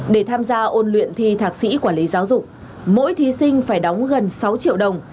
để tham gia ôn luyện thi thạc sĩ quản lý giáo dục mỗi thí sinh phải đóng gần sáu triệu đồng